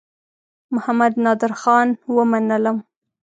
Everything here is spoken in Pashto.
محمدنادرخان ومنلم.